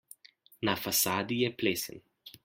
Na fasadi je plesen.